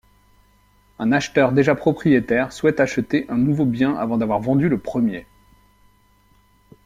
Un acheteur déjà propriétaire souhaite acheter un nouveau bien avant d'avoir vendu le premier.